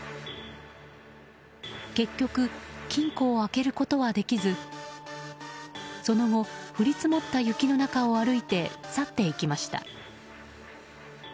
結局、金庫を開けることはできずその後、降り積もった雪の中を歩いて去っていきました。